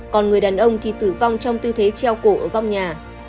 còn người đàn ông thì tử vong trong tư thế treo cổ ở góc nhà